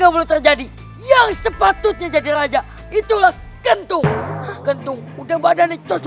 kamu itu bukan gemes